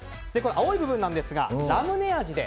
青い部分ですがラムネ味で。